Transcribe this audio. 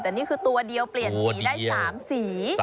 แต่นี่คือตัวเดียวเปลี่ยนสีได้๓สี